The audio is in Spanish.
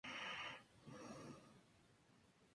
No existe en todo el municipio cajeros electrónicos.